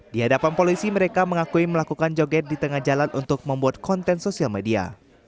di hadapan polisi mereka mengakui melakukan joget di tengah jalan untuk membuat konten sosial media